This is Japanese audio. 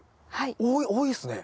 多いっすね。